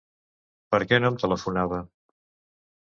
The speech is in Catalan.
Per què no em telefonava?